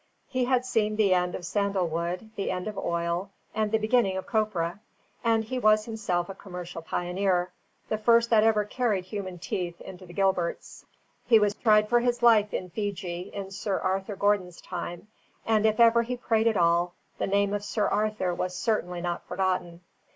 He had seen the end of sandal wood, the end of oil, and the beginning of copra; and he was himself a commercial pioneer, the first that ever carried human teeth into the Gilberts. He was tried for his life in Fiji in Sir Arthur Gordon's time; and if ever he prayed at all, the name of Sir Arthur was certainly not forgotten.